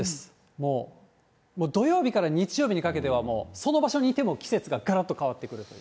もう土曜日から日曜日にかけては、もうその場所にいても季節ががらっと変わってくるという。